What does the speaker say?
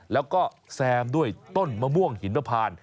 แล้วก็แซมด้วยต้นมะม่วงหินมะพาน